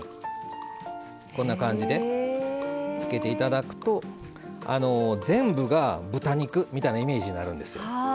こんな感じでつけていただくと全部が豚肉みたいなイメージになるんですよ。